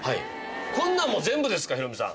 こんなんも全部ですかヒロミさん。